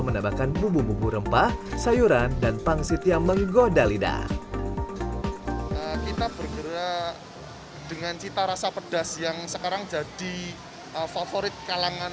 mie di tempat ini terbuat secara berbeda